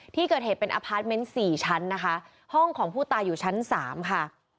ที่เกิดเหตุเป็นอพาร์ทเมนต์สี่ชั้นนะคะห้องของผู้ตายอยู่ชั้นสามค่ะ